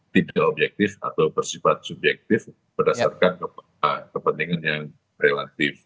tidak objektif atau bersifat subjektif berdasarkan kepentingan yang relatif